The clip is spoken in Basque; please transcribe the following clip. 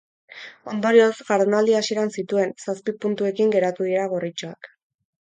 Ondorioz, jardunaldi hasieran zituen zazpi puntuekin geratu dira gorritxoak.